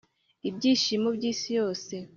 ibyishimo by'isi yose!